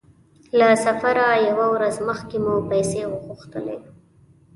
له سفره يوه ورځ مخکې مو پیسې وغوښتلې.